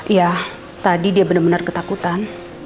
iya tadi dia bener bener ketakutan